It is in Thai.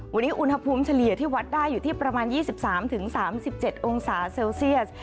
วันนี้อุณหภูมิเฉลี่ยที่วัดได้อยู่ที่ประมาณ๒๓๓๗องศาเซลเซียส